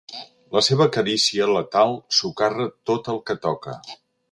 La seva carícia letal socarra tot el que toca.